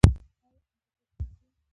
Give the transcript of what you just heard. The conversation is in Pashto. ایا انجیوګرافي مو کړې ده؟